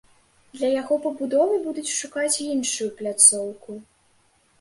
Для яго пабудовы будуць шукаць іншую пляцоўку.